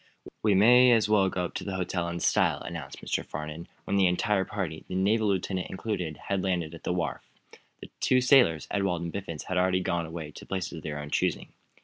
"We may as well go up, to the hotel in style," announced Mr. Farnum, when the entire party, the naval lieutenant included, had landed at the wharf. The two sailors, Ewald and Biffens, had already gone away to places of their own choosing.